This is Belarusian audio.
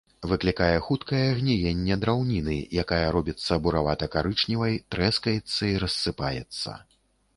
Выклікае хуткае гніенне драўніны, якая робіцца буравата-карычневай, трэскаецца і рассыпаецца.